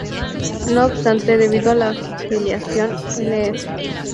No obstante, debido a la filiación 'L.f.